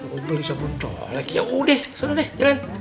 ya udah sana deh jalan